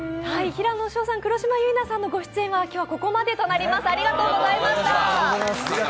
平野紫耀さん、黒島結菜さんのご出演はここまでとなります。